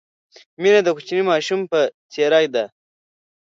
مینه د کوچني ماشوم په څېر ده.